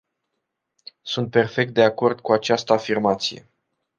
Sunt perfect de acord cu această afirmație.